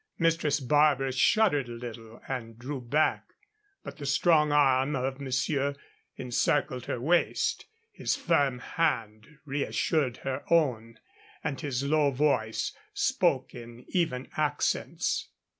Mistress Barbara shuddered a little and drew back, but the strong arm of monsieur encircled her waist, his firm hand reassured her own, and his low voice spoke in even accents.